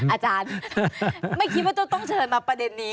อาจารย์ไม่คิดว่าจะต้องเชิญมาประเด็นนี้